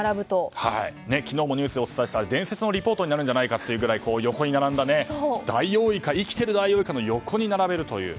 昨日もニュースでお伝えしましたが伝説のリポートになるんじゃないかというくらい生きているダイオウイカの横に並べるという。